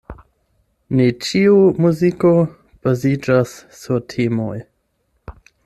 Ne ĉiu muziko baziĝas sur temoj.